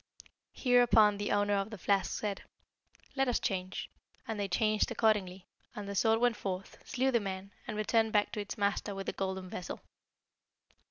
Hereupon the owner of the flask said, 'Let us change,' and they changed accordingly; and the sword went forth, slew the man, and returned back to its master with the golden vessel.